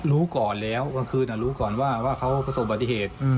รู้ก่อนแล้วคือรู้ก่อนว่าเขาผสมบัติเหตุ